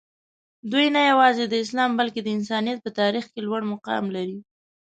دوي نه یوازې د اسلام بلکې د انسانیت په تاریخ کې لوړ مقام لري.